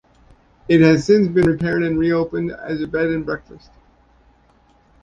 It has since been repaired and reopened as a bed and breakfast.